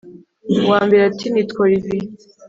uwambere ati”nitwa olivier